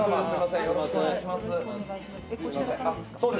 よろしくお願いします。